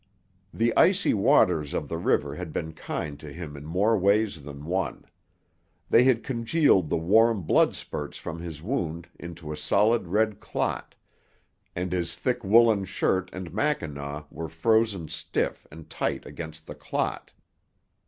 The icy waters of the river had been kind to him in more ways than one. They had congealed the warm blood spurts from his wound into a solid red clot, and his thick woolen shirt and mackinaw were frozen stiff and tight against the clot.